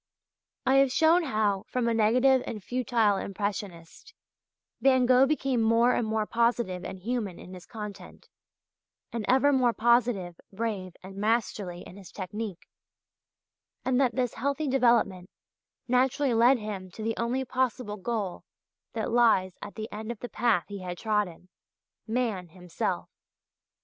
I have shown how, from a negative and futile impressionist, Van Gogh became more and more positive and human in his content, and ever more positive, brave and masterly in his technique, and that this healthy development naturally led him to the only possible goal that lies at the end of the path he had trodden Man himself.